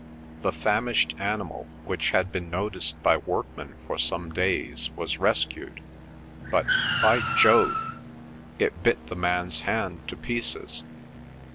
"... The famished animal, which had been noticed by workmen for some days, was rescued, but—by Jove! it bit the man's hand to pieces!"